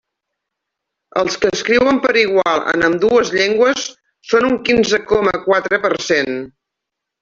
Els que escriuen per igual en ambdues llengües són un quinze coma quatre per cent.